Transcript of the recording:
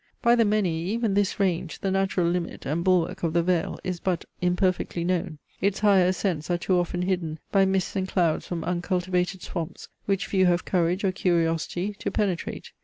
By the many, even this range, the natural limit and bulwark of the vale, is but imperfectly known. Its higher ascents are too often hidden by mists and clouds from uncultivated swamps, which few have courage or curiosity to penetrate.